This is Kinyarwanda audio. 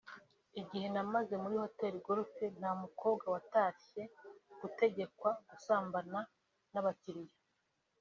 “Igihe namaze muri Hotel Golf nta mukobwa watatse gutegekwa gusambana n’abakiliya”